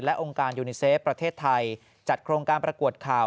และองค์การยูนิเซฟประเทศไทยจัดโครงการประกวดข่าว